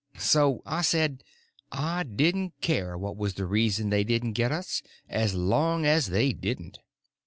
So I said I didn't care what was the reason they didn't get us as long as they didn't.